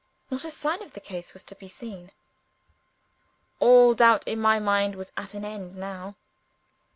Not a sign of the case was to be seen. All doubt in my mind was at an end now.